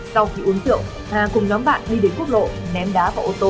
sau khi uống tượng hà cùng nhóm bạn đi đến quốc lộ ném đá vào ô tô